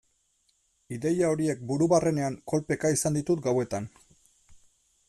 Ideia horiek buru barrenean kolpeka izan ditut gauetan.